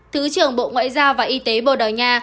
thứ trưởng bộ ngoại giao và y tế bồ đào nha